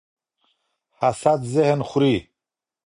حسد ذهن خوري